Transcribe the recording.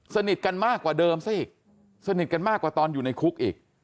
สนิทกันมากกว่าเดิมซะอีกสนิทกันมากกว่าตอนอยู่ในคุกอีก